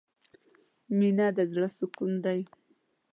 مینه د زړه سکون دی.